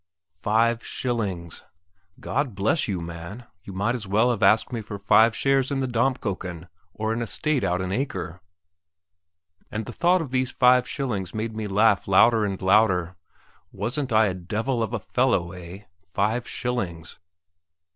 Five shillings! God bless you, man, you might just as well have asked me for five shares in the Dampkökken, or an estate out in Aker. And the thought of these five shillings made me laugh louder and louder. Wasn't I a devil of a fellow, eh? Five shillings!